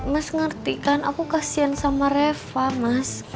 mas ngerti kan aku kasian sama reva mas